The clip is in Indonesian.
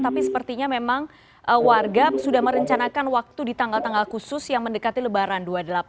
tapi sepertinya memang warga sudah merencanakan waktu di tanggal tanggal khusus yang mendekati lebaran dua puluh delapan dua puluh sembilan tiga puluh